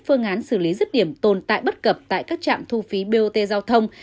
phương án xử lý rứt điểm tồn tại bất cập tại các trạm thu phí bot giao thông